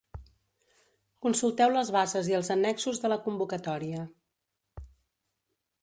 Consulteu les bases i els annexos de la convocatòria.